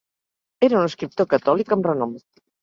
Era un escriptor catòlic amb renom.